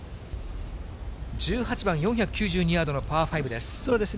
１８番４９２ヤードのパー５です。